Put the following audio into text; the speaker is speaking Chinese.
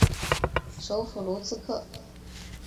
首府卢茨克。